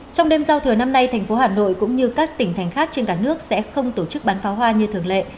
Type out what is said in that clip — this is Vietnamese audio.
trong đêm giao thừa năm nay thành phố hà nội cũng như các tỉnh thành khác trên cả nước sẽ không tổ chức bán pháo hoa như thường lệ